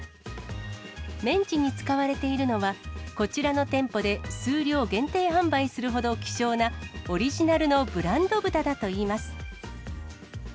メンチに使われているのは、こちらの店舗で数量限定販売するほど希少な、オリジナルのブランド豚だといいます。